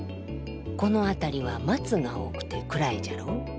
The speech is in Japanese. この辺りは松が多くて暗いじゃろう。